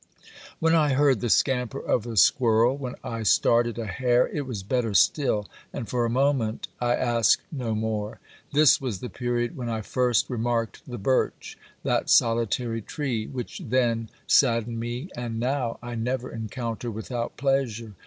When I heard the scamper of a squirrel, when I started a hare, it was better still, and for a moment I asked no more. This was the period when I first remarked the birch, that solitary tree which then saddened me and now I never encounter without pleasure.